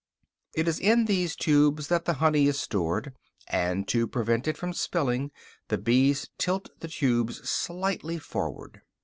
It is in these tubes that the honey is stored; and to prevent it from spilling, the bees tilt the tubes slightly forward.